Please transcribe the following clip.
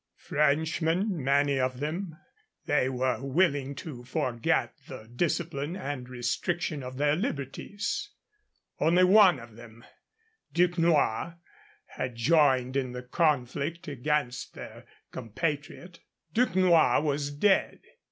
Frenchmen, many of them, they were willing to forget the discipline and restriction of their liberties. Only one of them, Duquesnoy, had joined in the conflict against their compatriot. Duquesnoy was dead.